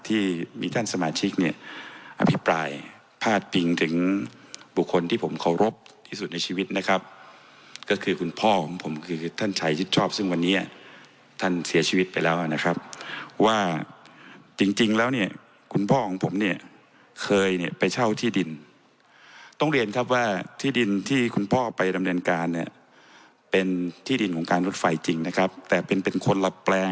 ที่มีท่านสมาชิกเนี่ยอภิปรายพาดพิงถึงบุคคลที่ผมเคารพที่สุดในชีวิตนะครับก็คือคุณพ่อของผมคือท่านชัยชิดชอบซึ่งวันนี้ท่านเสียชีวิตไปแล้วนะครับว่าจริงจริงแล้วเนี่ยคุณพ่อของผมเนี่ยเคยเนี่ยไปเช่าที่ดินต้องเรียนครับว่าที่ดินที่คุณพ่อไปดำเนินการเนี่ยเป็นที่ดินของการรถไฟจริงนะครับแต่เป็นเป็นคนละแปลง